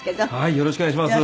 よろしくお願いします。